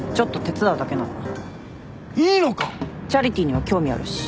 チャリティーには興味あるし。